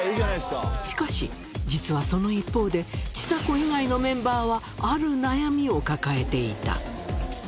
しかし、実はその一方で、ちさ子以外のメンバーは、ある悩みを抱えていた。